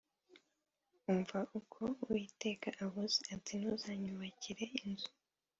Umva uko Uwiteka avuze ati Ntuzanyubakire inzu